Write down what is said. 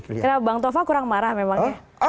karena bang tova kurang marah memang ya